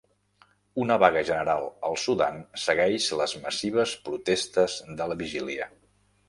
Una vaga general al Sudan segueix les massives protestes de la vigília.